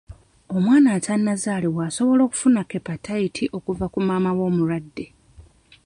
Omwana atanazaalibwa asobola okufuna kepatayiti okuva ku maama we omulwadde.